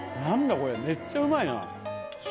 これめっちゃうまいな。